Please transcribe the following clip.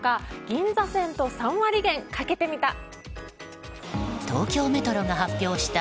銀座線と３割減をかけてみた。